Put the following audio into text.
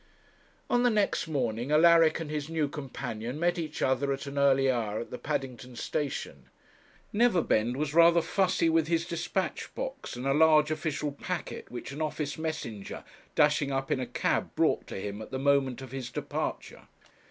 On the next morning Alaric and his new companion met each other at an early hour at the Paddington station. Neverbend was rather fussy with his dispatch box, and a large official packet, which an office messenger, dashing up in a cab, brought to him at the moment of his departure.